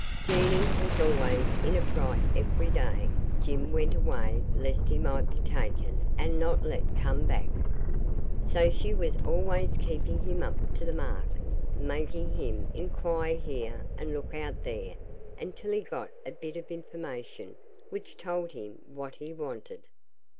Jeanie was always in a fright every day Jim went away lest he might be taken and not let come back. So she was always keeping him up to the mark, making him inquire here and look out there until he got a bit of information which told him what he wanted.